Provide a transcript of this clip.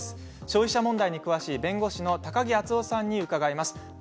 消費者問題に詳しい弁護士の高木篤夫さんに伺います。